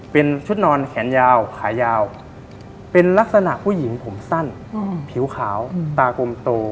เป็นชุดนอนแขนยาวขายาวเป็นลักษณะผู้หญิงผมสั้นผิวขาวตากลมโต